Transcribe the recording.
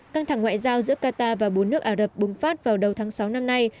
căng thẳng ngoại giao giữa qatar và bốn nước ả rập bùng phát vào đầu tháng sáu năm nay